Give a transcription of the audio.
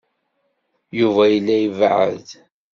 Yuba yella ibeɛɛed.